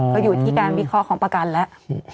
ก็อยู่ที่การวิเคราะห์ของประกันแล้ว